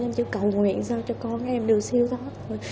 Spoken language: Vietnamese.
em chỉ cầu nguyện sao cho con em được xíu đó